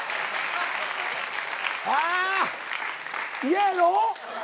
あ嫌やろ？